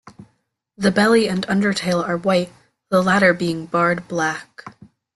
The belly and undertail are white, the latter being barred black.